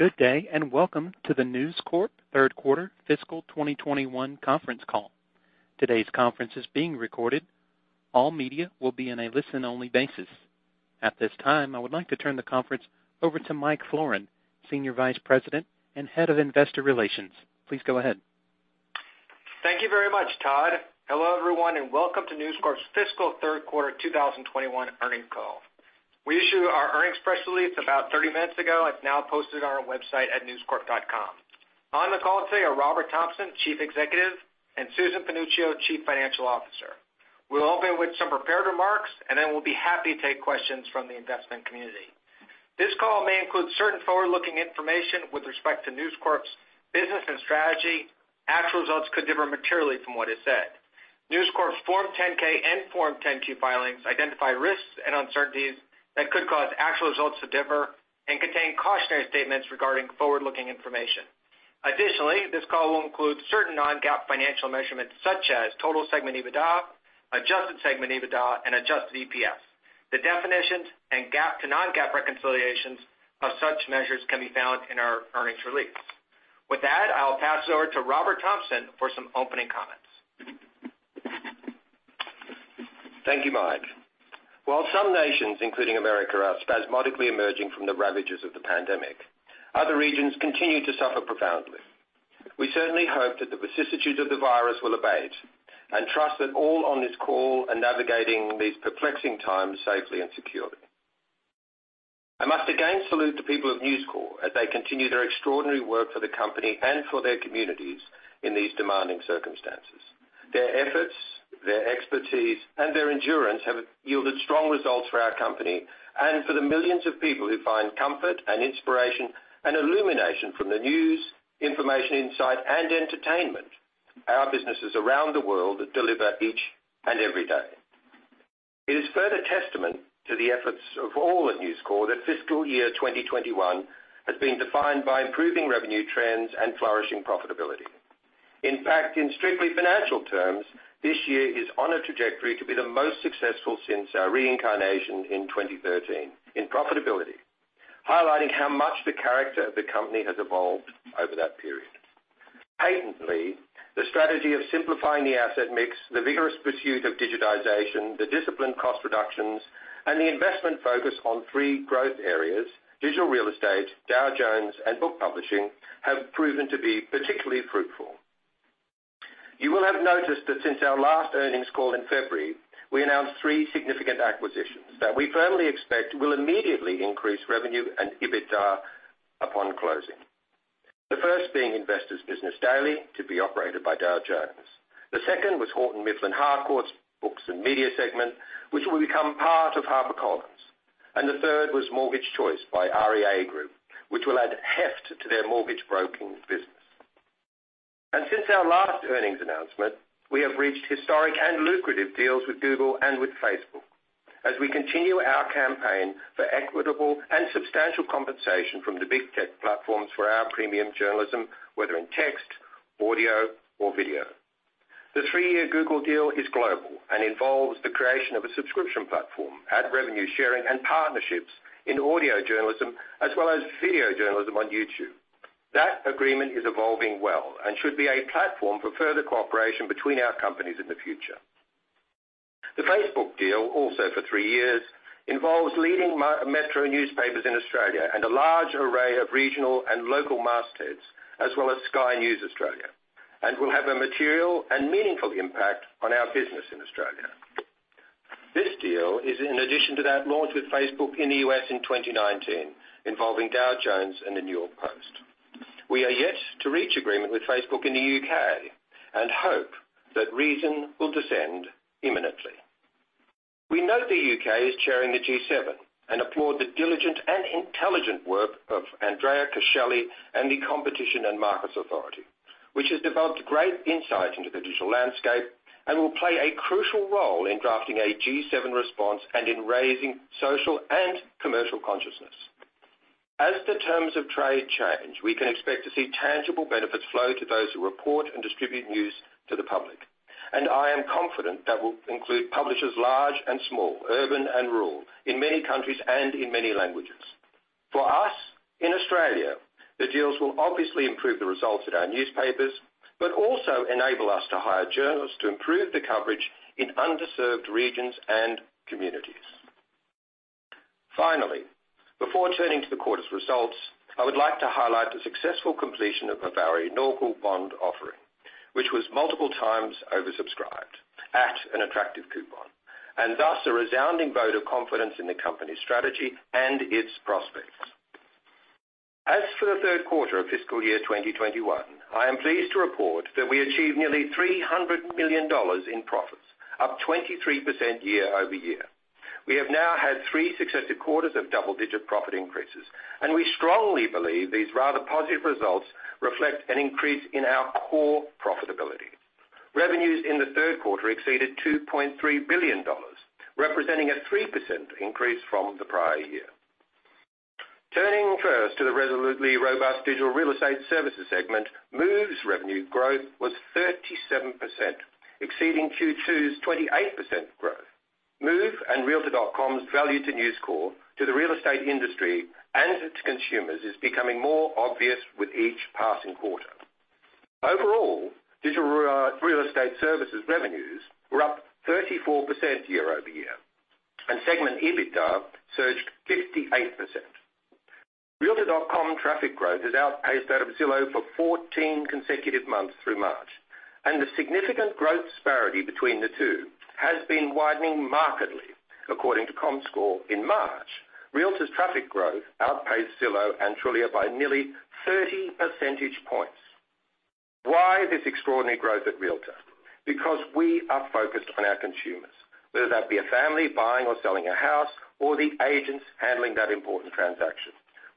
Good day, welcome to the News Corp Third Quarter Fiscal 2021 Conference Call. Today's conference is being recorded. All media will be in a listen-only basis. At this time, I would like to turn the conference over to Mike Florin, Senior Vice President and Head of Investor Relations. Please go ahead. Thank you very much, Todd. Hello, everyone, and welcome to News Corp's fiscal third quarter 2021 earnings call. We issued our earnings press release about 30 minutes ago. It's now posted on our website at newscorp.com. On the call today are Robert Thomson, Chief Executive, and Susan Panuccio, Chief Financial Officer. We'll open with some prepared remarks, and then we'll be happy to take questions from the investment community. This call may include certain forward-looking information with respect to News Corp's business and strategy. Actual results could differ materially from what is said. News Corp's Form 10-K and Form 10-Q filings identify risks and uncertainties that could cause actual results to differ and contain cautionary statements regarding forward-looking information. Additionally, this call will include certain non-GAAP financial measurements such as total segment EBITDA, adjusted segment EBITDA, and adjusted EPS. The definitions and GAAP to non-GAAP reconciliations of such measures can be found in our earnings release. With that, I'll pass it over to Robert Thomson for some opening comments. Thank you, Mike. While some nations, including America, are spasmodically emerging from the ravages of the pandemic, other regions continue to suffer profoundly. We certainly hope that the vicissitudes of the virus will abate, and trust that all on this call are navigating these perplexing times safely and securely. I must again salute the people of News Corp as they continue their extraordinary work for the company and for their communities in these demanding circumstances. Their efforts, their expertise, and their endurance have yielded strong results for our company and for the millions of people who find comfort and inspiration and illumination from the news, information, insight, and entertainment our businesses around the world deliver each and every day. It is further testament to the efforts of all at News Corp that fiscal year 2021 has been defined by improving revenue trends and flourishing profitability. In fact, in strictly financial terms, this year is on a trajectory to be the most successful since our reincarnation in 2013 in profitability, highlighting how much the character of the company has evolved over that period. Patently, the strategy of simplifying the asset mix, the vigorous pursuit of digitization, the disciplined cost reductions, and the investment focus on three growth areas, digital real estate, Dow Jones, and book publishing, have proven to be particularly fruitful. You will have noticed that since our last earnings call in February, we announced three significant acquisitions that we firmly expect will immediately increase revenue and EBITDA upon closing. The first being Investor's Business Daily to be operated by Dow Jones. The second was Houghton Mifflin Harcourt's books and media segment, which will become part of HarperCollins, and the third was Mortgage Choice by REA Group, which will add heft to their mortgage broking business. Since our last earnings announcement, we have reached historic and lucrative deals with Google and with Facebook as we continue our campaign for equitable and substantial compensation from the big tech platforms for our premium journalism, whether in text, audio, or video. The three-year Google deal is global and involves the creation of a subscription platform, ad revenue sharing, and partnerships in audio journalism as well as video journalism on YouTube. That agreement is evolving well and should be a platform for further cooperation between our companies in the future. The Facebook deal, also for three years, involves leading metro newspapers in Australia and a large array of regional and local mastheads, as well as Sky News Australia, and will have a material and meaningful impact on our business in Australia. This deal is in addition to that launched with Facebook in the U.S. in 2019, involving Dow Jones and the New York Post. We are yet to reach agreement with Facebook in the U.K. and hope that reason will descend imminently. We note the U.K. is chairing the G7 and applaud the diligent and intelligent work of Andrea Coscelli and the Competition and Markets Authority, which has developed great insight into the digital landscape and will play a crucial role in drafting a G7 response and in raising social and commercial consciousness. As the terms of trade change, we can expect to see tangible benefits flow to those who report and distribute news to the public, I am confident that will include publishers large and small, urban and rural, in many countries and in many languages. For us in Australia, the deals will obviously improve the results at our newspapers, but also enable us to hire journalists to improve the coverage in underserved regions and communities. Finally, before turning to the quarter's results, I would like to highlight the successful completion of a very normal bond offering, which was multiple times oversubscribed at an attractive coupon, and thus a resounding vote of confidence in the company's strategy and its prospects. As for the third quarter of fiscal year 2021, I am pleased to report that we achieved nearly $300 million in profits, up 23% year-over-year. We have now had three successive quarters of double-digit profit increases, and we strongly believe these rather positive results reflect an increase in our core profitability. Revenues in the third quarter exceeded $2.3 billion, representing a 3% increase from the prior year. Turning first to the resolutely robust digital real estate services segment, Move's revenue growth was 37%, exceeding Q2's 28% growth. Move and Realtor.com's value to News Corp, to the real estate industry, and to its consumers is becoming more obvious with each passing quarter. Overall, digital real estate services revenues were up 34% year-over-year, and segment EBITDA surged 58%. Realtor.com traffic growth has outpaced that of Zillow for 14 consecutive months through March, and the significant growth disparity between the two has been widening markedly according to Comscore. In March, Realtor's traffic growth outpaced Zillow annually by nearly 30 percentage points. Why this extraordinary growth at Realtor? Because we are focused on our consumers, whether that be a family buying or selling a house or the agents handling that important transaction.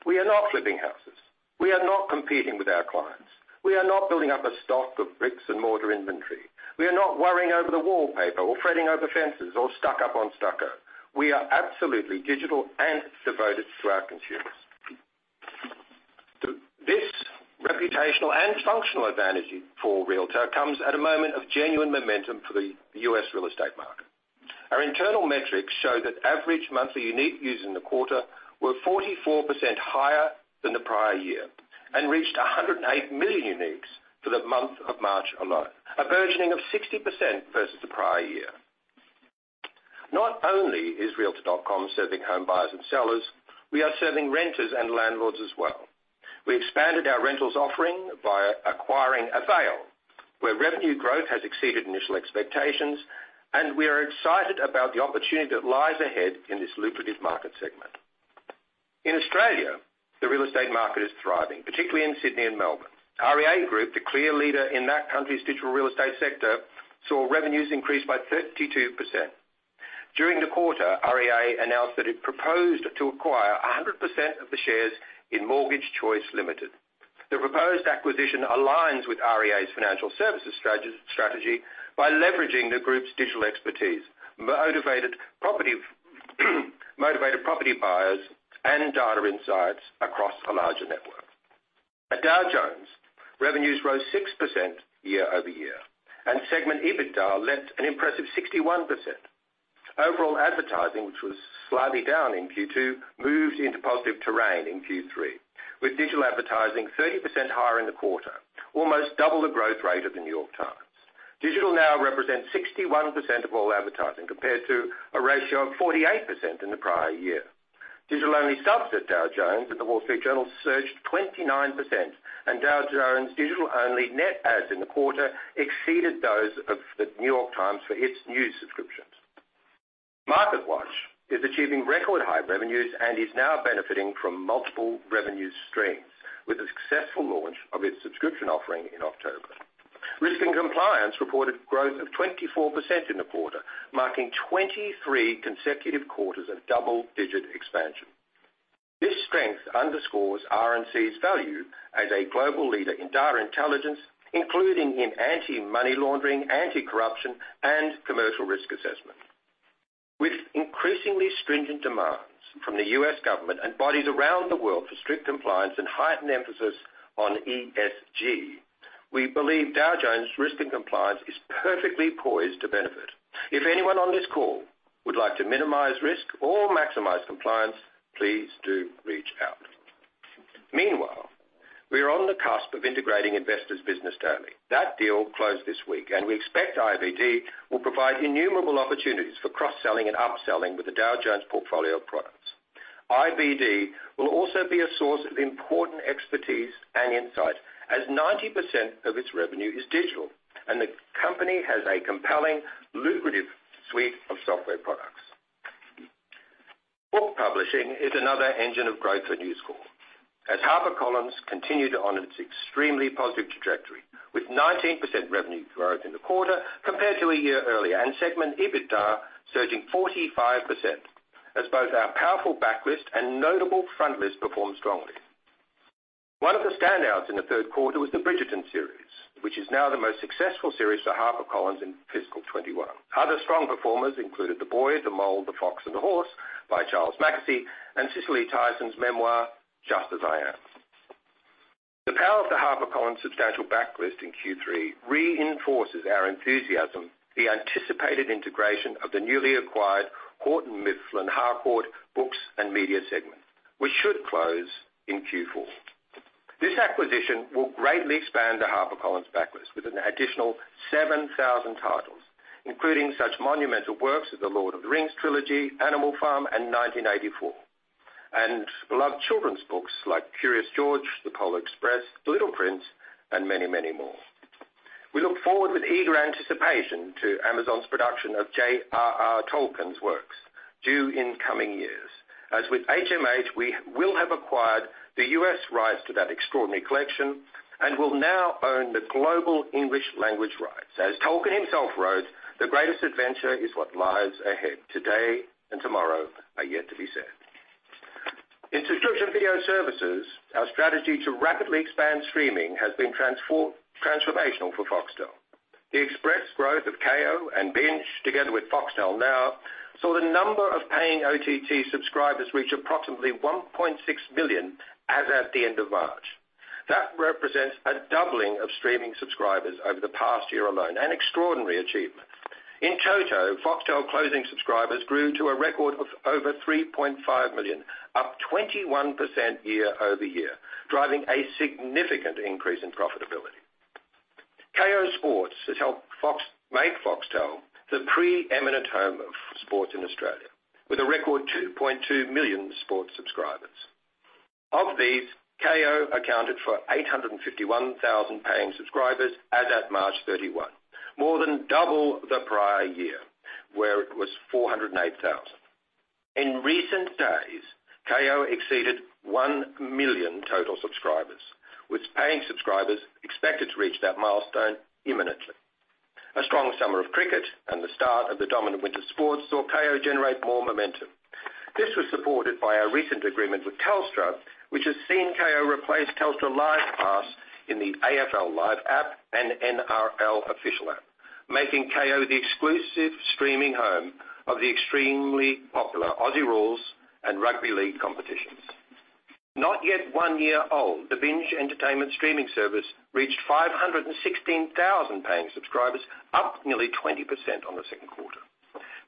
We are not flipping houses. We are not competing with our clients. We are not building up a stock of bricks-and-mortar inventory. We are not worrying over the wallpaper or fretting over fences or stuck up on stucco. We are absolutely digital and devoted to our consumers. This reputational and functional advantage for Realtor comes at a moment of genuine momentum for the U.S. real estate market. Our internal metrics show that average monthly unique views in the quarter were 44% higher than the prior year and reached 108 million uniques for the month of March alone. A burgeoning of 60% versus the prior year. Not only is Realtor.com serving home buyers and sellers, we are serving renters and landlords as well. We expanded our rentals offering by acquiring Avail, where revenue growth has exceeded initial expectations, and we are excited about the opportunity that lies ahead in this lucrative market segment. In Australia, the real estate market is thriving, particularly in Sydney and Melbourne. REA Group, the clear leader in that country's digital real estate sector, saw revenues increase by 32%. During the quarter, REA announced that it proposed to acquire 100% of the shares in Mortgage Choice Limited. The proposed acquisition aligns with REA's financial services strategy by leveraging the group's digital expertise, motivated property buyers, and data insights across a larger network. At Dow Jones, revenues rose 6% year-over-year, and segment EBITDA leapt an impressive 61%. Overall advertising, which was slightly down in Q2, moved into positive terrain in Q3, with digital advertising 30% higher in the quarter, almost double the growth rate of The New York Times. Digital now represents 61% of all advertising, compared to a ratio of 48% in the prior year. Digital-only subs at Dow Jones and The Wall Street Journal surged 29%, and Dow Jones' digital-only net adds in the quarter exceeded those of The New York Times for its news subscriptions. MarketWatch is achieving record-high revenues and is now benefiting from multiple revenue streams with the successful launch of its subscription offering in October. Risk and Compliance reported growth of 24% in the quarter, marking 23 consecutive quarters of double-digit expansion. This strength underscores R&C's value as a global leader in data intelligence, including in anti-money laundering, anti-corruption, and commercial risk assessment. With increasingly stringent demands from the U.S. government and bodies around the world for strict compliance and heightened emphasis on ESG, we believe Dow Jones Risk and Compliance is perfectly poised to benefit. If anyone on this call would like to minimize risk or maximize compliance, please do reach out. Meanwhile, we are on the cusp of integrating Investor's Business Daily. That deal closed this week, and we expect IBD will provide innumerable opportunities for cross-selling and upselling with the Dow Jones portfolio of products. IBD will also be a source of important expertise and insight as 90% of its revenue is digital and the company has a compelling, lucrative suite of software products. Book publishing is another engine of growth for News Corp, as HarperCollins continued on its extremely positive trajectory with 19% revenue growth in the quarter compared to a year earlier, and segment EBITDA surging 45% as both our powerful backlist and notable frontlist performed strongly. One of the standouts in the third quarter was the Bridgerton series, which is now the most successful series for HarperCollins in fiscal 2021. Other strong performers included "The Boy, the Mole, the Fox and the Horse" by Charlie Mackesy and Cicely Tyson's memoir, "Just as I Am." The power of the HarperCollins substantial backlist in Q3 reinforces our enthusiasm, the anticipated integration of the newly acquired Houghton Mifflin Harcourt books and media segment, which should close in Q4. This acquisition will greatly expand the HarperCollins backlist with an additional 7,000 titles, including such monumental works as "The Lord of the Rings" trilogy, "Animal Farm" and "Nineteen Eighty-Four," and beloved children's books like "Curious George," "The Polar Express," "The Little Prince," and many more. We look forward with eager anticipation to Amazon's production of J.R.R. Tolkien's works due in coming years. As with HMH, we will have acquired the U.S. rights to that extraordinary collection and will now own the global English language rights. As J.R.R. Tolkien himself wrote, "The greatest adventure is what lies ahead. Today and tomorrow are yet to be said." In subscription video services, our strategy to rapidly expand streaming has been transformational for Foxtel. The express growth of Kayo and Binge together with Foxtel Now saw the number of paying OTT subscribers reach approximately 1.6 million as at the end of March. That represents a doubling of streaming subscribers over the past year alone, an extraordinary achievement. In total, Foxtel closing subscribers grew to a record of over 3.5 million, up 21% year-over-year, driving a significant increase in profitability. Kayo Sports has helped make Foxtel the preeminent home of sports in Australia, with a record 2.2 million sports subscribers. Of these, Kayo accounted for 851,000 paying subscribers as at March 31, more than double the prior year, where it was 408,000. In recent days, Kayo exceeded 1 million total subscribers, with paying subscribers expected to reach that milestone imminently. A strong summer of cricket and the start of the dominant winter sports saw Kayo generate more momentum. This was supported by our recent agreement with Telstra, which has seen Kayo replace Telstra Live Pass in the AFL Live app and NRL official app, making Kayo the exclusive streaming home of the extremely popular Aussie Rules and Rugby League competitions. Not yet one year old, the Binge entertainment streaming service reached 516,000 paying subscribers, up nearly 20% on the second quarter.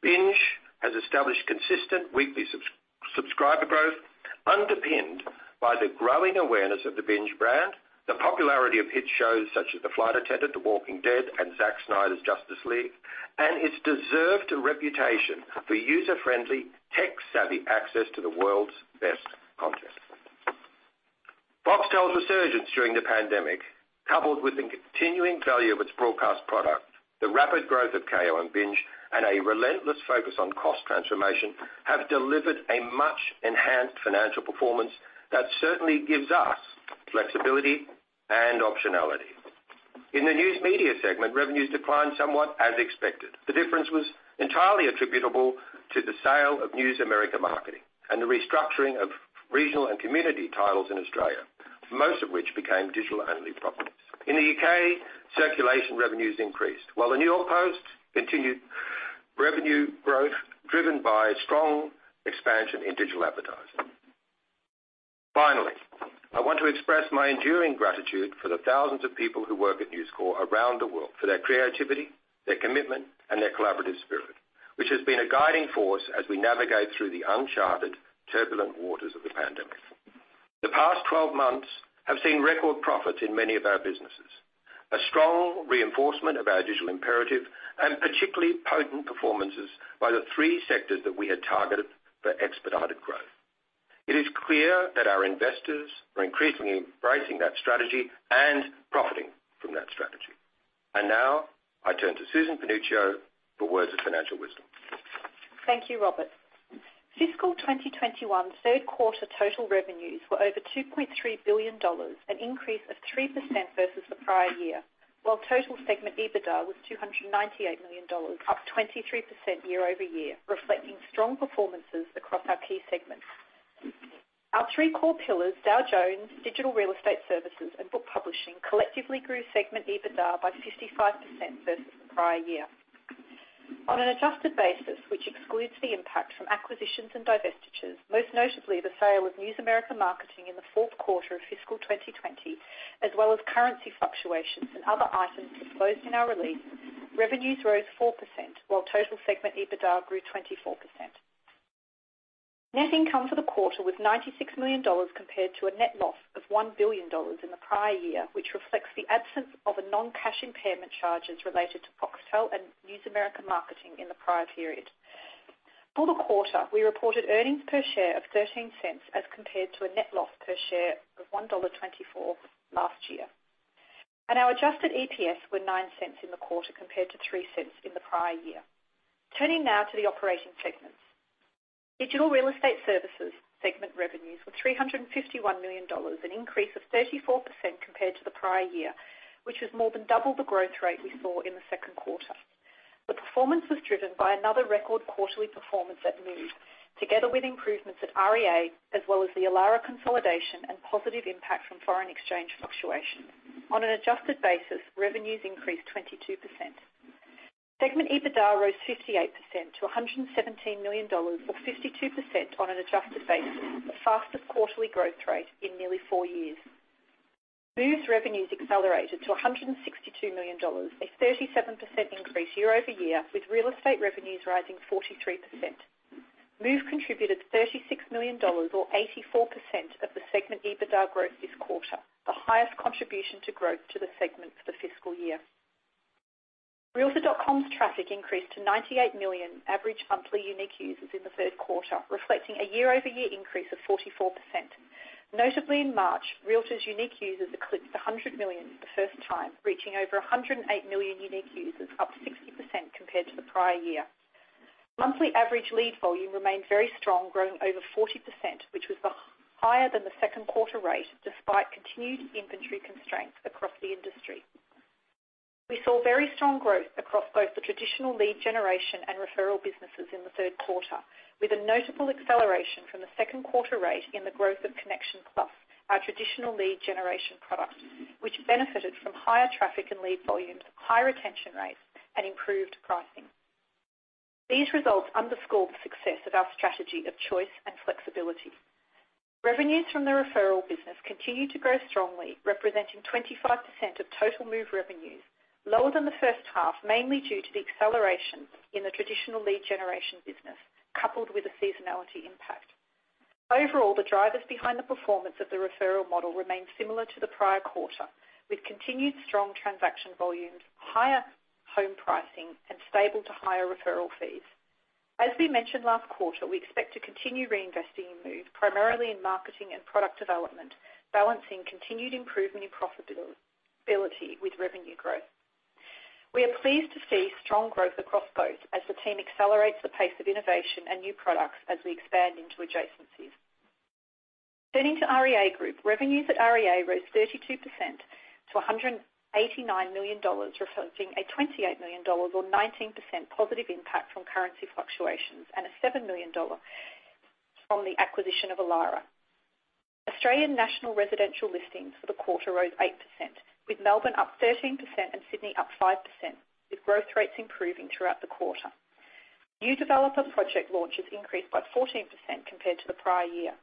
Binge has established consistent weekly subscriber growth underpinned by the growing awareness of the Binge brand, the popularity of hit shows such as "The Flight Attendant," "The Walking Dead," and "Zack Snyder's Justice League," and its deserved reputation for user-friendly, tech-savvy access to the world's best content. Foxtel's resurgence during the pandemic, coupled with the continuing value of its broadcast product, the rapid growth of Kayo and Binge, and a relentless focus on cost transformation, have delivered a much enhanced financial performance that certainly gives us flexibility and optionality. In the news media segment, revenues declined somewhat as expected. The difference was entirely attributable to the sale of News America Marketing and the restructuring of regional and community titles in Australia, most of which became digital-only properties. In the U.K., circulation revenues increased, while the New York Post continued revenue growth driven by strong expansion in digital advertising. Finally, I want to express my enduring gratitude for the thousands of people who work at News Corp around the world for their creativity, their commitment, and their collaborative spirit, which has been a guiding force as we navigate through the uncharted, turbulent waters of the pandemic. The past 12 months have seen record profits in many of our businesses, a strong reinforcement of our digital imperative, and particularly potent performances by the three sectors that we had targeted for expedited growth. It is clear that our investors are increasingly embracing that strategy and profiting from that strategy. Now, I turn to Susan Panuccio for words of financial wisdom. Thank you, Robert. Fiscal 2021's third quarter total revenues were over $2.3 billion, an increase of 3% versus the prior year, while total segment EBITDA was $298 million, up 23% year-over-year, reflecting strong performances across our key segments. Our three core pillars, Dow Jones, Digital Real Estate Services, and Book Publishing, collectively grew segment EBITDA by 55% versus the prior year. On an adjusted basis, which excludes the impact from acquisitions and divestitures, most notably the sale of News America Marketing in the fourth quarter of fiscal 2020, as well as currency fluctuations and other items disclosed in our release, revenues rose 4%, while total segment EBITDA grew 24%. Net income for the quarter was $96 million, compared to a net loss of $1 billion in the prior year, which reflects the absence of non-cash impairment charges related to Foxtel and News America Marketing in the prior period. For the quarter, we reported earnings per share of $0.13, as compared to a net loss per share of $1.24 last year. Our adjusted EPS were $0.09 in the quarter, compared to $0.03 in the prior year. Turning now to the operating segments. Digital Real Estate Services segment revenues were $351 million, an increase of 34% compared to the prior year, which was more than double the growth rate we saw in the second quarter. The performance was driven by another record quarterly performance at Move, together with improvements at REA, as well as the Elara consolidation and positive impact from foreign exchange fluctuations. On an adjusted basis, revenues increased 22%. Segment EBITDA rose 58% to $117 million, or 52% on an adjusted basis, the fastest quarterly growth rate in nearly four years. Move's revenues accelerated to $162 million, a 37% increase year-over-year, with real estate revenues rising 43%. Move contributed $36 million, or 84%, of the segment EBITDA growth this quarter, the highest contribution to growth to the segment for the fiscal year. Realtor.com's traffic increased to 98 million average monthly unique users in the third quarter, reflecting a year-over-year increase of 44%. Notably, in March, Realtor's unique users eclipsed 100 million for the first time, reaching over 108 million unique users, up 60% compared to the prior year. Monthly average lead volume remained very strong, growing over 40%, which was higher than the second quarter rate, despite continued inventory constraints across the industry. We saw very strong growth across both the traditional lead generation and referral businesses in the third quarter, with a notable acceleration from the second quarter rate in the growth of Connections℠ Plus, our traditional lead generation product, which benefited from higher traffic and lead volumes, high retention rates, and improved pricing. These results underscore the success of our strategy of choice and flexibility. Revenues from the referral business continued to grow strongly, representing 25% of total Move revenues, lower than the first half, mainly due to the acceleration in the traditional lead generation business, coupled with a seasonality impact. Overall, the drivers behind the performance of the referral model remained similar to the prior quarter, with continued strong transaction volumes, higher home pricing and stable to higher referral fees. As we mentioned last quarter, we expect to continue reinvesting in Move, primarily in marketing and product development, balancing continued improvement in profitability with revenue growth. We are pleased to see strong growth across both as the team accelerates the pace of innovation and new products as we expand into adjacencies. Turning to REA Group. Revenues at REA rose 32% to $189 million, reflecting a $28 million or 19% positive impact from currency fluctuations and a $7 million from the acquisition of Elara. Australian national residential listings for the quarter rose 8%, with Melbourne up 13% and Sydney up 5%, with growth rates improving throughout the quarter. New developer project launches increased by 14% compared to the prior year.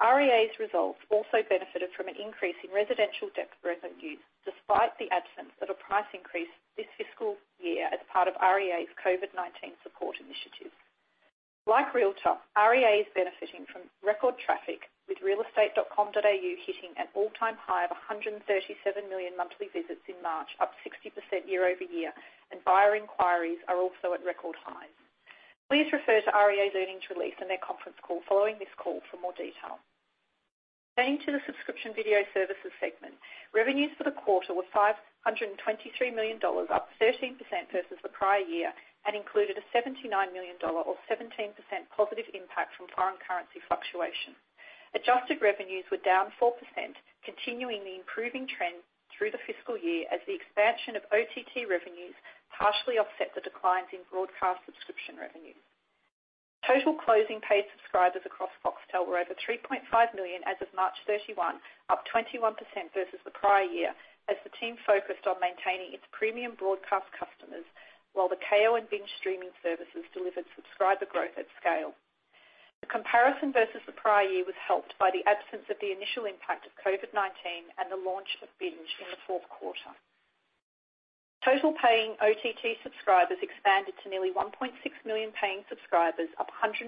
REA's results also benefited from an increase in residential debt revenues, despite the absence of a price increase this fiscal year as part of REA's COVID-19 support initiative. Like Realtor, REA is benefiting from record traffic, with realestate.com.au hitting an all-time high of 137 million monthly visits in March, up 60% year-over-year. Buyer inquiries are also at record highs. Please refer to REA's earnings release and their conference call following this call for more detail. Turning to the subscription video services segment. Revenues for the quarter were $523 million, up 13% versus the prior year and included a $79 million or 17% positive impact from foreign currency fluctuation. Adjusted revenues were down 4%, continuing the improving trend through the fiscal year as the expansion of OTT revenues partially offset the declines in broadcast subscription revenues. Total closing paid subscribers across Foxtel were over 3.5 million as of March 31, up 21% versus the prior year as the team focused on maintaining its premium broadcast customers while the Kayo and Binge streaming services delivered subscriber growth at scale. The comparison versus the prior year was helped by the absence of the initial impact of COVID-19 and the launch of Binge in the fourth quarter. Total paying OTT subscribers expanded to nearly 1.6 million paying subscribers, up 120%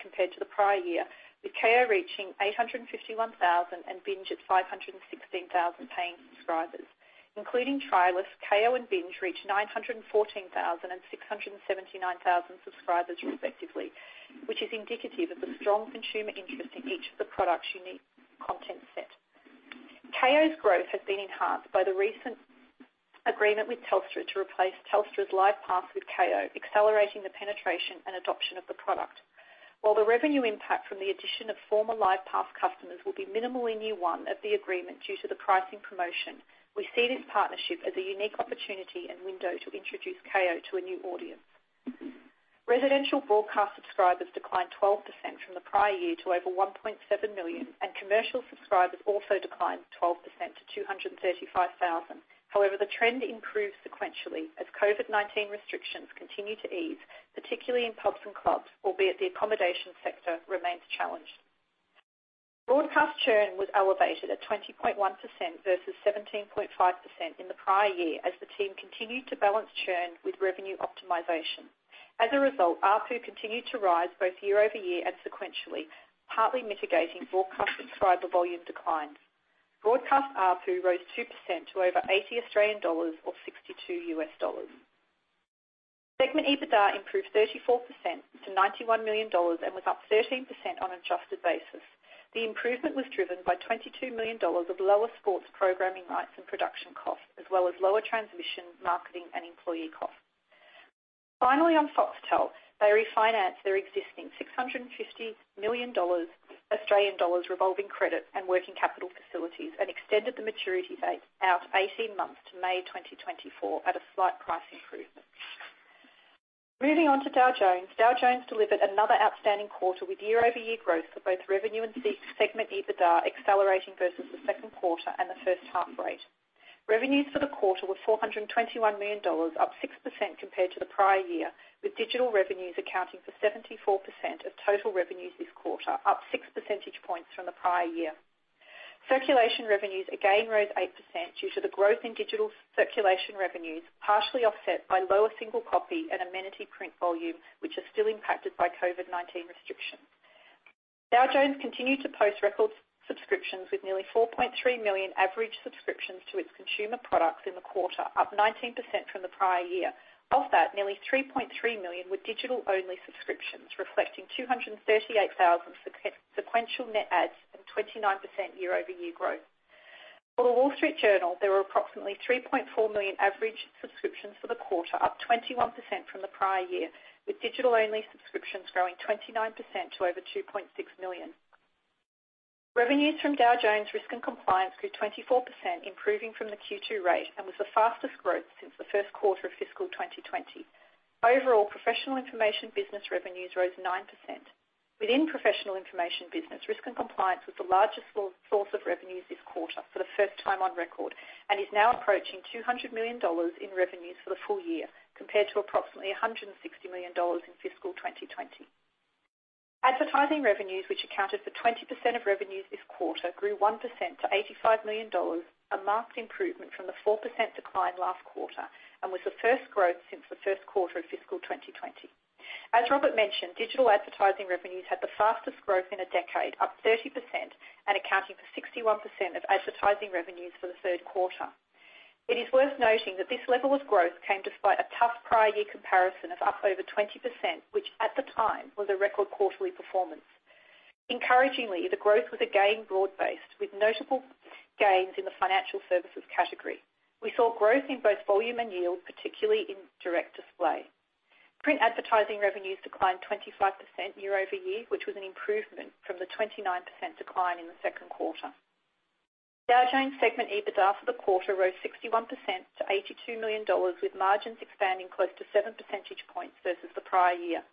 compared to the prior year, with Kayo reaching 851,000 and Binge at 516,000 paying subscribers. Including trialists, Kayo and Binge reached 914,000 and 679,000 subscribers respectively, which is indicative of the strong consumer interest in each of the product's unique content set. Kayo's growth has been enhanced by the recent agreement with Telstra to replace Telstra's Live Pass with Kayo, accelerating the penetration and adoption of the product. While the revenue impact from the addition of former Live Pass customers will be minimal in year one of the agreement due to the pricing promotion, we see this partnership as a unique opportunity and window to introduce Kayo to a new audience. Residential broadcast subscribers declined 12% from the prior year to over 1.7 million, and commercial subscribers also declined 12% to 235,000. However, the trend improved sequentially as COVID-19 restrictions continue to ease, particularly in pubs and clubs, albeit the accommodation sector remains challenged. Broadcast churn was elevated at 20.1% versus 17.5% in the prior year as the team continued to balance churn with revenue optimization. As a result, ARPU continued to rise both year-over-year and sequentially, partly mitigating broadcast subscriber volume declines. Broadcast ARPU rose 2% to over 80 Australian dollars or $62. Segment EBITDA improved 34% to $91 million and was up 13% on an adjusted basis. The improvement was driven by $22 million of lower sports programming rights and production costs, as well as lower transmission, marketing, and employee costs. Finally, on Foxtel, they refinanced their existing 650 million Australian dollars revolving credit and working capital facilities and extended the maturity date out 18 months to May 2024 at a slight price improvement. Moving on to Dow Jones. Dow Jones delivered another outstanding quarter with year-over-year growth for both revenue and segment EBITDA accelerating versus the second quarter and the first half rate. Revenues for the quarter were $421 million, up 6% compared to the prior year, with digital revenues accounting for 74% of total revenues this quarter, up 6 percentage points from the prior year. Circulation revenues again rose 8% due to the growth in digital circulation revenues, partially offset by lower single copy and amenity print volume, which are still impacted by COVID-19 restrictions. Dow Jones continued to post records subscriptions with nearly 4.3 million average subscriptions to its consumer products in the quarter, up 19% from the prior year. Of that, nearly 3.3 million were digital-only subscriptions, reflecting 238,000 sequential net adds and 29% year-over-year growth. For The Wall Street Journal, there were approximately 3.4 million average subscriptions for the quarter, up 21% from the prior year, with digital-only subscriptions growing 29% to over 2.6 million. Revenues from Dow Jones Risk & Compliance grew 24%, improving from the Q2 rate and was the fastest growth since the first quarter of fiscal 2020. Overall, professional information business revenues rose 9%. Within professional information business, risk and compliance was the largest source of revenues this quarter for the first time on record, and is now approaching $200 million in revenues for the full year compared to approximately $160 million in fiscal 2020. Advertising revenues, which accounted for 20% of revenues this quarter, grew 1% to $85 million, a marked improvement from the 4% decline last quarter, and was the first growth since the first quarter of fiscal 2020. As Robert mentioned, digital advertising revenues had the fastest growth in a decade, up 30% and accounting for 61% of advertising revenues for the third quarter. It is worth noting that this level of growth came despite a tough prior year comparison of up over 20%, which at the time was a record quarterly performance. Encouragingly, the growth was again broad-based with notable gains in the financial services category. We saw growth in both volume and yield, particularly in direct display. Print advertising revenues declined 25% year-over-year, which was an improvement from the 29% decline in the second quarter. Dow Jones segment EBITDA for the quarter rose 61% to $82 million, with margins expanding close to seven percentage points versus the prior year.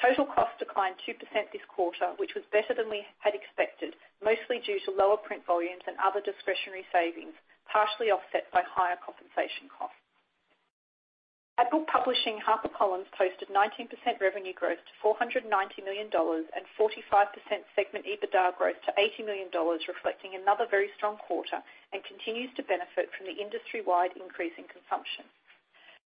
Total costs declined 2% this quarter, which was better than we had expected, mostly due to lower print volumes and other discretionary savings, partially offset by higher compensation costs. At book publishing, HarperCollins posted 19% revenue growth to $490 million and 45% segment EBITDA growth to $80 million, reflecting another very strong quarter, and continues to benefit from the industry-wide increase in consumption.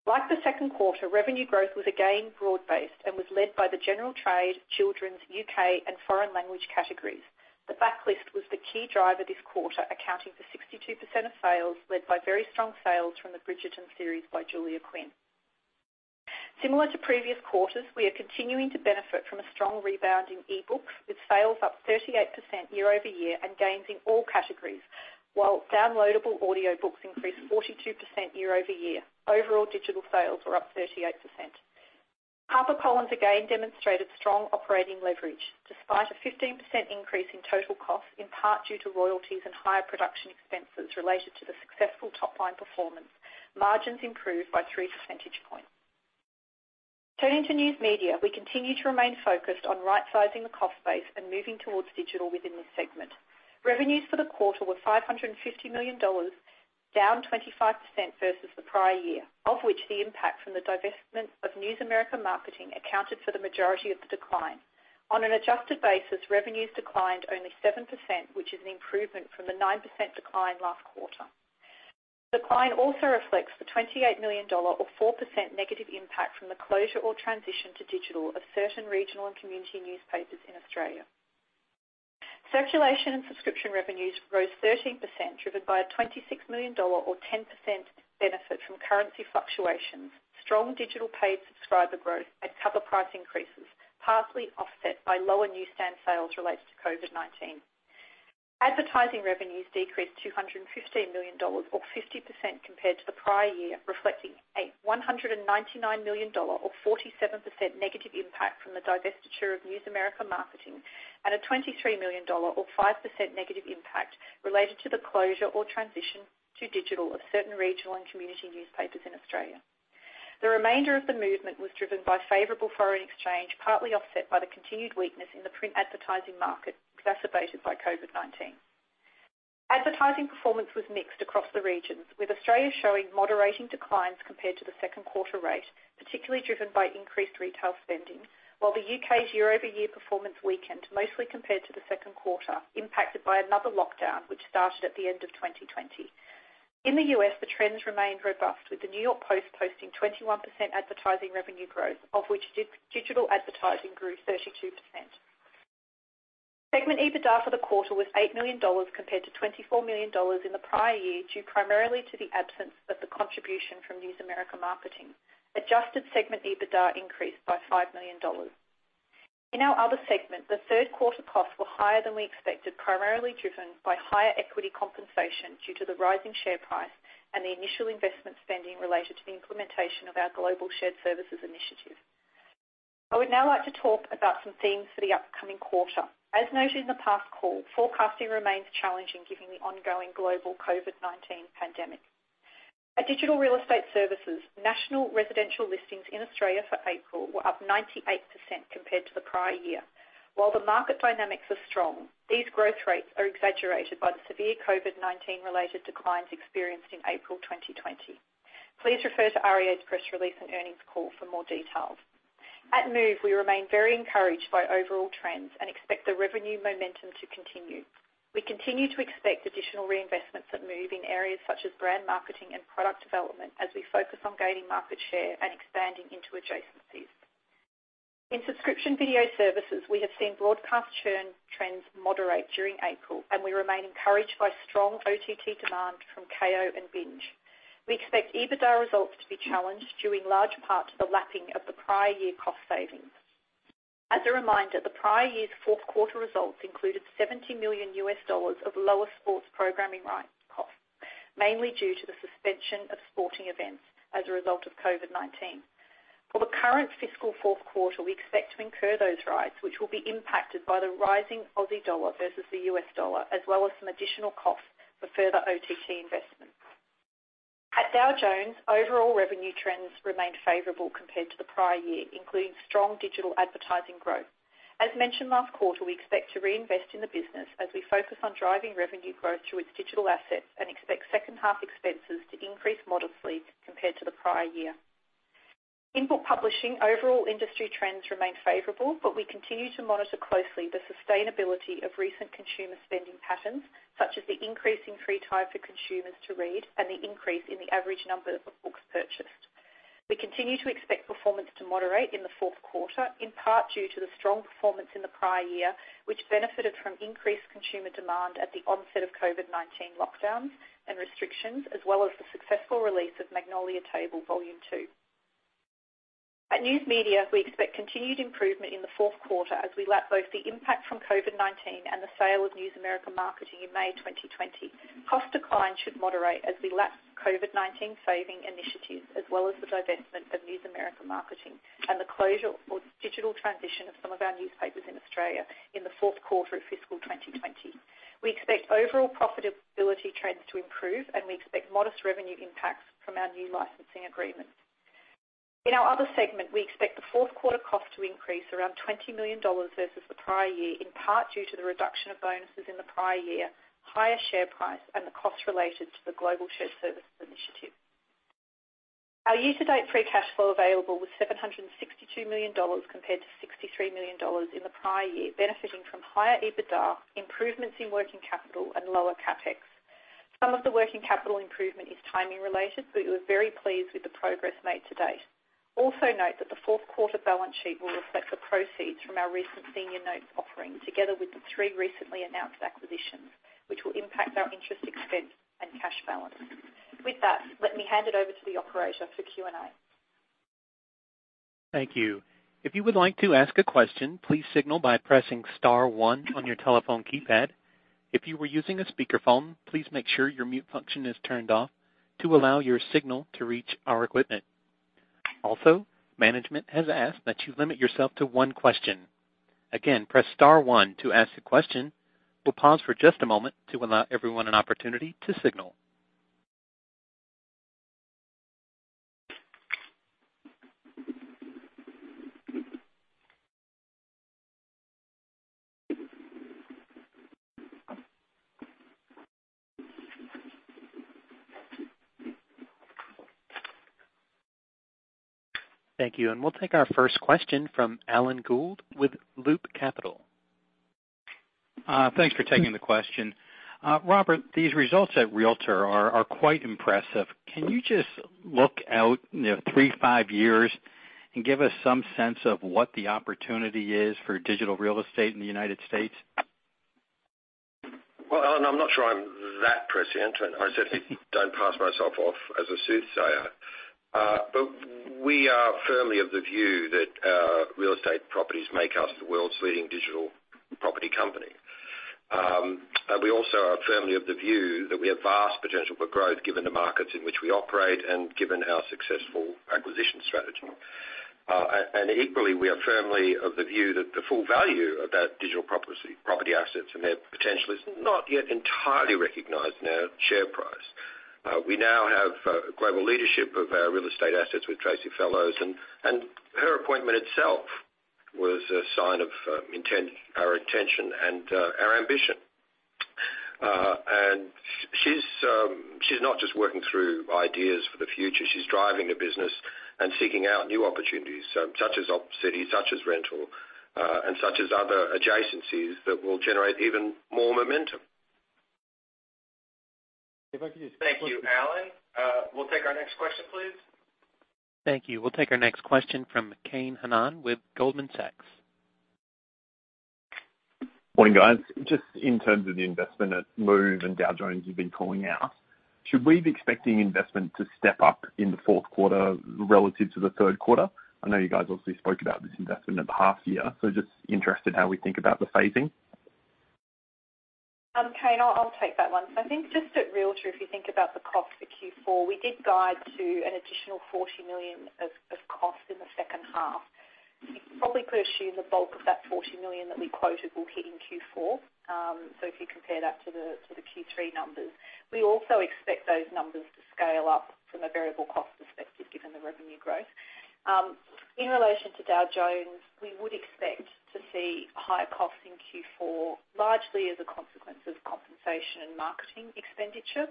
Like the second quarter, revenue growth was again broad-based and was led by the general trade, children's, U.K., and foreign language categories. The backlist was the key driver this quarter, accounting for 62% of sales, led by very strong sales from the Bridgerton series by Julia Quinn. Similar to previous quarters, we are continuing to benefit from a strong rebound in e-books, with sales up 38% year-over-year and gains in all categories, while downloadable audiobooks increased 42% year-over-year. Overall digital sales were up 38%. HarperCollins again demonstrated strong operating leverage despite a 15% increase in total cost, in part due to royalties and higher production expenses related to the successful top-line performance. Margins improved by three percentage points. Turning to news media, we continue to remain focused on rightsizing the cost base and moving towards digital within this segment. Revenues for the quarter were $550 million, down 25% versus the prior year, of which the impact from the divestment of News America Marketing accounted for the majority of the decline. On an adjusted basis, revenues declined only 7%, which is an improvement from the 9% decline last quarter. Decline also reflects the $28 million or 4% negative impact from the closure or transition to digital of certain regional and community newspapers in Australia. Circulation and subscription revenues rose 13%, driven by a $26 million or 10% benefit from currency fluctuations, strong digital paid subscriber growth, and cover price increases, partially offset by lower newsstand sales related to COVID-19. Advertising revenues decreased $215 million or 50% compared to the prior year, reflecting a $199 million or 47% negative impact from the divestiture of News America Marketing and a $23 million or 5% negative impact related to the closure or transition to digital of certain regional and community newspapers in Australia. The remainder of the movement was driven by favorable foreign exchange, partly offset by the continued weakness in the print advertising market, exacerbated by COVID-19. Advertising performance was mixed across the regions, with Australia showing moderating declines compared to the second quarter rate, particularly driven by increased retail spending. While the U.K.'s year-over-year performance weakened, mostly compared to the second quarter, impacted by another lockdown, which started at the end of 2020. In the U.S., the trends remained robust, with The New York Post posting 21% advertising revenue growth, of which digital advertising grew 32%. Segment EBITDA for the quarter was $8 million, compared to $24 million in the prior year, due primarily to the absence of the contribution from News America Marketing. Adjusted segment EBITDA increased by $5 million. In our other segment, the third quarter costs were higher than we expected, primarily driven by higher equity compensation due to the rising share price and the initial investment spending related to the implementation of our global shared services initiative. I would now like to talk about some themes for the upcoming quarter. As noted in the past call, forecasting remains challenging given the ongoing global COVID-19 pandemic. At Digital Real Estate Services, national residential listings in Australia for April were up 98% compared to the prior year. While the market dynamics are strong, these growth rates are exaggerated by the severe COVID-19 related declines experienced in April 2020. Please refer to REA's press release and earnings call for more details. At Move, we remain very encouraged by overall trends and expect the revenue momentum to continue. We continue to expect additional reinvestments at Move in areas such as brand marketing and product development as we focus on gaining market share and expanding into adjacencies. In subscription video services, we have seen broadcast churn trends moderate during April, and we remain encouraged by strong OTT demand from Kayo and Binge. We expect EBITDA results to be challenged due in large part to the lapping of the prior year cost savings. As a reminder, the prior year's fourth-quarter results included $70 million of lower sports programming rights costs, mainly due to the suspension of sporting events as a result of COVID-19. For the current fiscal fourth quarter, we expect to incur those rights, which will be impacted by the rising Aussie dollar versus the U.S. dollar, as well as some additional costs for further OTT investment. At Dow Jones, overall revenue trends remained favorable compared to the prior year, including strong digital advertising growth. As mentioned last quarter, we expect to reinvest in the business as we focus on driving revenue growth through its digital assets and expect second half expenses to increase modestly compared to the prior year. In book publishing, overall industry trends remain favorable, but we continue to monitor closely the sustainability of recent consumer spending patterns, such as the increasing free time for consumers to read and the increase in the average number of books purchased. We continue to expect performance to moderate in the fourth quarter, in part due to the strong performance in the prior year, which benefited from increased consumer demand at the onset of COVID-19 lockdowns and restrictions, as well as the successful release of "Magnolia Table, Volume 2." At News Media, we expect continued improvement in the fourth quarter as we lap both the impact from COVID-19 and the sale of News America Marketing in May 2020. Cost decline should moderate as we lap COVID-19 saving initiatives, as well as the divestment of News America Marketing and the closure or digital transition of some of our newspapers in Australia in the fourth quarter of fiscal 2020. We expect overall profitability trends to improve, and we expect modest revenue impacts from our new licensing agreements. In our other segment, we expect the fourth quarter cost to increase around $20 million versus the prior year, in part due to the reduction of bonuses in the prior year, higher share price, and the cost related to the global shared services initiative. Our year-to-date free cash flow available was $762 million, compared to $63 million in the prior year, benefiting from higher EBITDA, improvements in working capital, and lower CapEx. Some of the working capital improvement is timing related, but we were very pleased with the progress made to date. Also note that the fourth quarter balance sheet will reflect the proceeds from our recent senior notes offering, together with the three recently announced acquisitions, which will impact our interest expense and cash balance. With that, let me hand it over to the operator for Q&A. Thank you. If you would like to ask a question, please signal by pressing star one on your telephone keypad. If you are using a speakerphone, please make sure your mute function is turned off to allow your signal to reach our equipment. Management has asked that you limit yourself to one question. Press star one to ask a question. We'll pause for just a moment to allow everyone an opportunity to signal. Thank you. We'll take our first question from Alan Gould with Loop Capital. Thanks for taking the question. Robert, these results at Realtor.com are quite impressive. Can you just look out three to five years and give us some sense of what the opportunity is for digital real estate in the U.S.? Well, Alan, I'm not sure I'm that prescient, and I certainly don't pass myself off as a soothsayer. We are firmly of the view that real estate properties make us the world's leading digital property company. We also are firmly of the view that we have vast potential for growth given the markets in which we operate and given our successful acquisition strategy. Equally, we are firmly of the view that the full value of our digital property assets and their potential is not yet entirely recognized in our share price. We now have global leadership of our real estate assets with Tracey Fellows, and her appointment itself was a sign of our intention and our ambition. She's not just working through ideas for the future. She's driving the business and seeking out new opportunities, such as Opcity, such as Rentals, and such as other adjacencies that will generate even more momentum. Thank you, Alan. We'll take our next question, please. Thank you. We'll take our next question from Kane Hannan with Goldman Sachs. Morning, guys. Just in terms of the investment at Move and Dow Jones you've been calling out, should we be expecting investment to step up in the fourth quarter relative to the third quarter? I know you guys obviously spoke about this investment at the half year. Just interested how we think about the phasing. Kane, I'll take that one. I think just at Realtor, if you think about the cost for Q4, we did guide to an additional $40 million of cost in the second half. You probably could assume the bulk of that $40 million that we quoted will hit in Q4. If you compare that to the Q3 numbers. We also expect those numbers to scale up from a variable cost perspective given the revenue growth. In relation to Dow Jones, we would expect to see higher costs in Q4, largely as a consequence of compensation and marketing expenditure.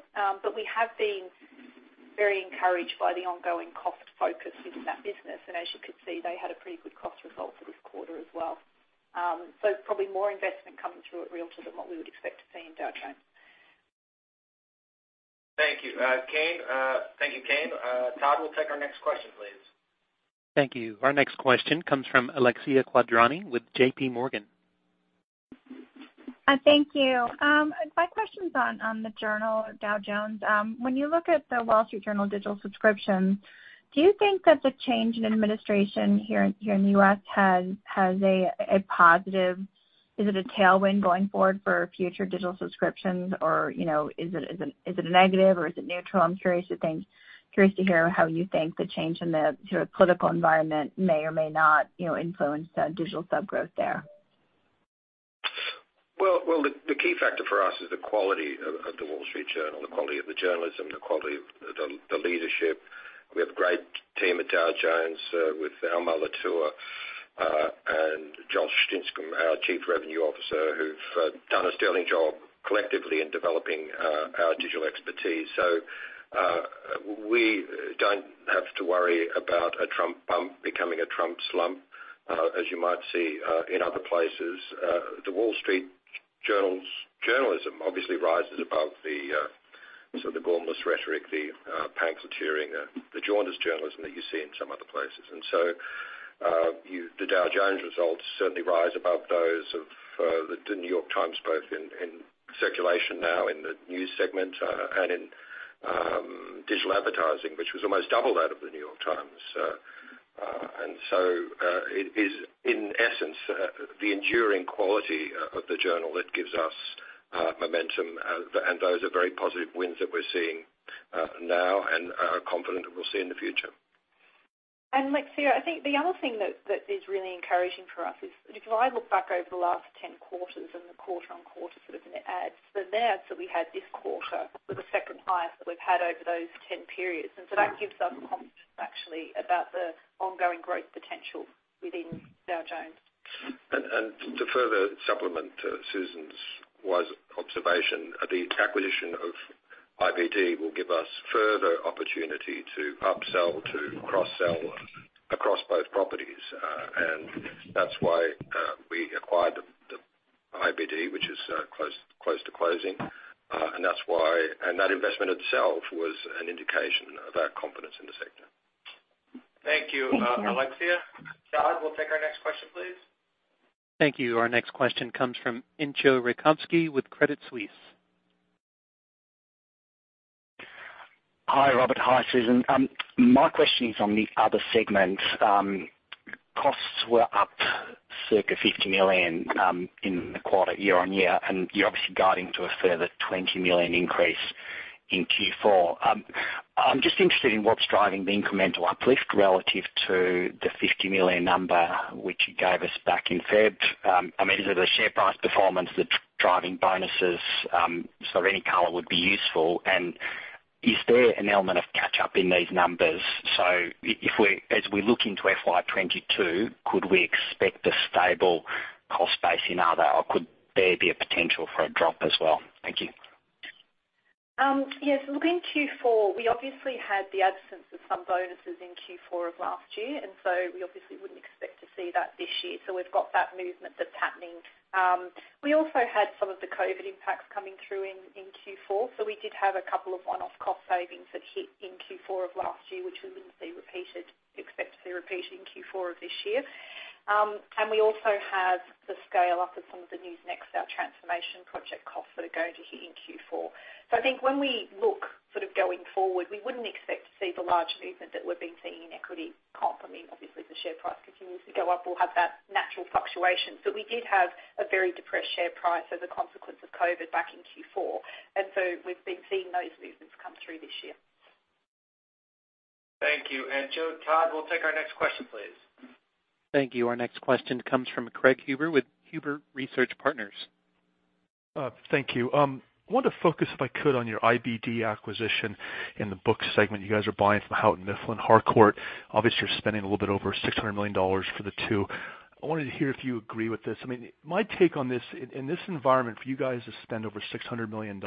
We have been very encouraged by the ongoing cost focus in that business, and as you could see, they had a pretty good cost result for this quarter as well. Probably more investment coming through at Realtor than what we would expect to see in Dow Jones. Thank you, Kane. Todd, we'll take our next question, please. Thank you. Our next question comes from Alexia Quadrani with JPMorgan. Thank you. My question's on the Journal or Dow Jones. When you look at The Wall Street Journal digital subscriptions, do you think that the change in administration here in the U.S. has a positive? Is it a tailwind going forward for future digital subscriptions? Or is it a negative or is it neutral? I'm curious to hear how you think the change in the political environment may or may not influence digital sub growth there. Well, the key factor for us is the quality of The Wall Street Journal, the quality of the journalism, the quality of the leadership. We have a great team at Dow Jones with Almar Latour and Josh Stinchcomb, our chief revenue officer, who've done a sterling job collectively in developing our digital expertise. We don't have to worry about a Trump bump becoming a Trump slump, as you might see in other places. The Wall Street Journal's journalism obviously rises above the sort of gormless rhetoric, the panic-mongering, the jaundiced journalism that you see in some other places. The Dow Jones results certainly rise above those of The New York Times, both in circulation now in the news segment and in digital advertising, which was almost double that of The New York Times. It is in essence, the enduring quality of The Wall Street Journal that gives us momentum, and those are very positive wins that we're seeing now and are confident that we'll see in the future. Alexia, I think the other thing that is really encouraging for us is if I look back over the last 10 quarters and the quarter-on-quarter sort of net adds, the net adds that we had this quarter were the second highest that we've had over those 10 periods. So that gives us confidence actually about the ongoing growth potential within Dow Jones. To further supplement Susan's wise observation, the acquisition of IBD will give us further opportunity to upsell, to cross-sell across both properties. That's why we acquired the IBD, which is close to closing. That investment itself was an indication of our confidence in the sector. Thank you, Alexia. Todd, we'll take our next question, please. Thank you. Our next question comes from Entcho Raykovski with Credit Suisse. Hi, Robert. Hi, Susan. My question is on the other segment. Costs were up circa $50 million in the quarter year-over-year, and you're obviously guiding to a further $20 million increase in Q4. I'm just interested in what's driving the incremental uplift relative to the $50 million number, which you gave us back in February. Any color would be useful. Is there an element of catch up in these numbers? As we look into FY 2022, could we expect a stable cost base in other or could there be a potential for a drop as well? Thank you. Yes, look, in Q4, we obviously had the absence of some bonuses in Q4 of last year, and so we obviously wouldn't expect to see that this year. We've got that movement that's happening. We also had some of the COVID impacts coming through in Q4. We did have a couple of one-off cost savings that hit in Q4 of last year, which we wouldn't expect to see repeated in Q4 of this year. We also have the scale-up of some of the News Next, our transformation project costs that are going to hit in Q4. I think when we look going forward, we wouldn't expect to see the large movement that we've been seeing in equity comp. I mean, obviously the share price continues to go up. We'll have that natural fluctuation. We did have a very depressed share price as a consequence of COVID back in Q4. We've been seeing those movements come through this year. Thank you, Entcho. Todd, we'll take our next question, please. Thank you. Our next question comes from Craig Huber with Huber Research Partners. Thank you. I want to focus, if I could, on your IBD acquisition in the book segment you guys are buying from Houghton Mifflin Harcourt. You're spending a little bit over $600 million for the two. I wanted to hear if you agree with this. My take on this, in this environment for you guys to spend over $600 million,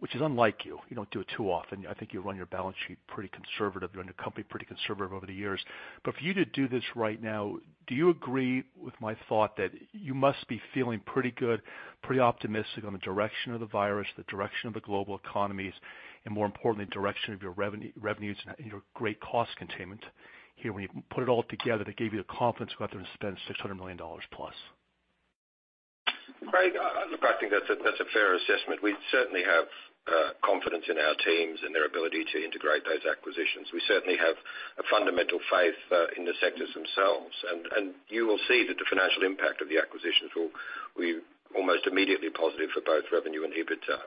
which is unlike you don't do it too often. I think you run your balance sheet pretty conservative. You run your company pretty conservative over the years. For you to do this right now, do you agree with my thought that you must be feeling pretty good, pretty optimistic on the direction of the virus, the direction of the global economies, and more importantly, direction of your revenues and your great cost containment here when you put it all together, that gave you the confidence to go out there and spend $600 million+? Craig, look, I think that's a fair assessment. We certainly have confidence in our teams and their ability to integrate those acquisitions. We certainly have a fundamental faith in the sectors themselves, and you will see that the financial impact of the acquisitions will be almost immediately positive for both revenue and EBITDA.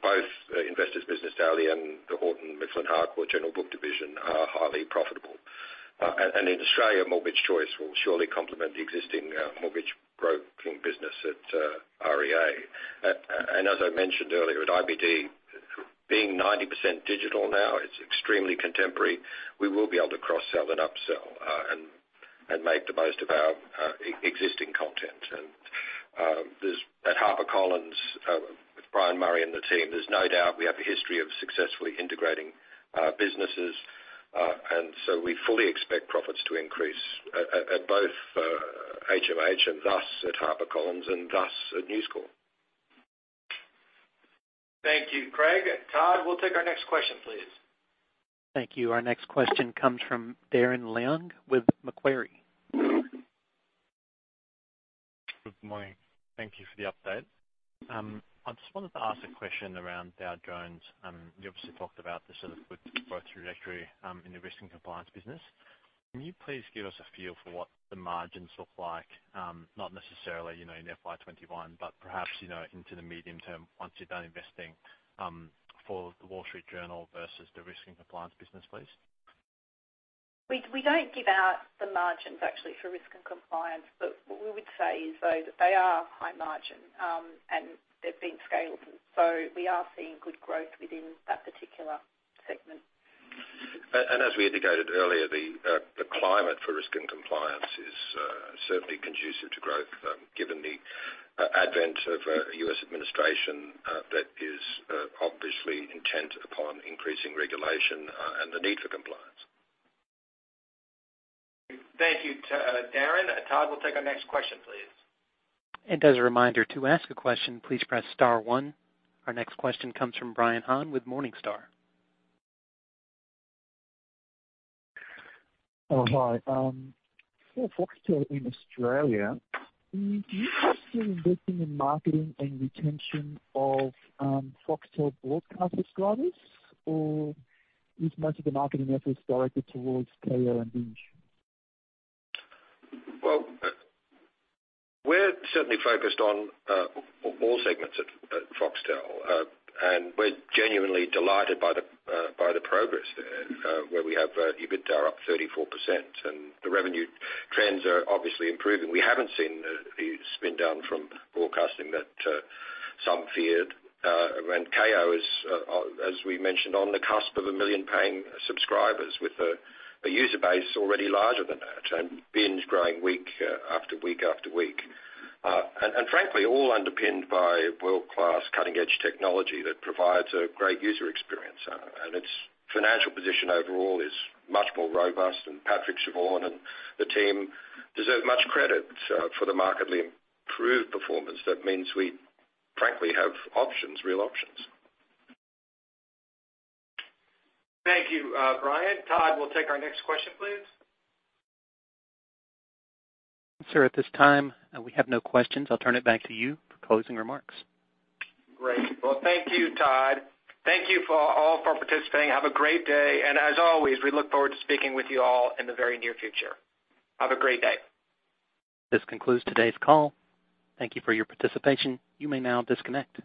Both Investor's Business Daily and the Houghton Mifflin Harcourt general book division are highly profitable. In Australia, Mortgage Choice will surely complement the existing mortgage broking business at REA. As I mentioned earlier, with IBD being 90% digital now, it's extremely contemporary. We will be able to cross-sell and upsell, and make the most of our existing content. At HarperCollins, with Brian Murray and the team, there's no doubt we have a history of successfully integrating businesses. We fully expect profits to increase at both HMH and thus at HarperCollins and thus at News Corp. Thank you, Craig. Todd, we will take our next question, please. Thank you. Our next question comes from Darren Leung with Macquarie. Good morning. Thank you for the update. I just wanted to ask a question around Dow Jones. You obviously talked about the sort of good growth trajectory, in the risk and compliance business. Can you please give us a feel for what the margins look like? Not necessarily in FY 2021, but perhaps into the medium term once you're done investing for The Wall Street Journal versus the risk and compliance business, please. We don't give out the margins actually for Risk and Compliance. What we would say is, though, that they are high margin, and they've been scaled. We are seeing good growth within that particular segment. As we indicated earlier, the climate for risk and compliance is certainly conducive to growth, given the advent of a U.S. administration that is obviously intent upon increasing regulation and the need for compliance. Thank you, Darren. Todd, we'll take our next question, please. As a reminder, to ask a question, please press star one. Our next question comes from Brian Han with Morningstar. Oh, hi. For Foxtel in Australia, do you have to invest in the marketing and retention of Foxtel broadcast subscribers, or is most of the marketing efforts directed towards Kayo and Binge? Well, we're certainly focused on all segments at Foxtel, and we're genuinely delighted by the progress there, where we have EBITDA up 34%. The revenue trends are obviously improving. We haven't seen the spin down from broadcasting that some feared. Kayo is, as we mentioned, on the cusp of a million paying subscribers, with a user base already larger than that, and Binge growing week after week after week. Frankly, all underpinned by world-class cutting-edge technology that provides a great user experience. Its financial position overall is much more robust, and Patrick Delany and the team deserve much credit for the markedly improved performance. That means we frankly have options, real options. Thank you, Brian. Todd, we'll take our next question, please. Sir, at this time, we have no questions. I'll turn it back to you for closing remarks. Great. Well, thank you, Todd. Thank you all for participating. Have a great day. As always, we look forward to speaking with you all in the very near future. Have a great day. This concludes today's call. Thank you for your participation. You may now disconnect.